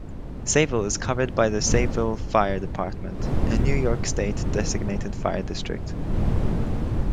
Sayville is covered by the Sayville Fire Department, a New York State-designated fire district.